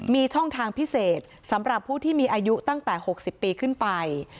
มีช่องทางพิเศษสำหรับผู้ที่มีอายุตั้งแต่๖๐ปีขึ้นไป